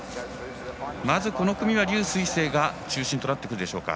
まずこの組は劉翠青が中心となるでしょうか。